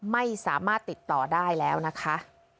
ไม่สามารถติดต่อได้แล้วนะคะ